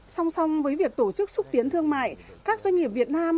song song với việc tổ chức xúc tiến thương mại các doanh nghiệp việt nam